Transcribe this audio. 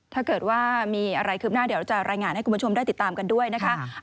ถ้าเกิดว่ามีอะไรคืบหน้าเดี๋ยวจะรายงานให้คุณผู้ชมได้ติดตามกันด้วยนะคะ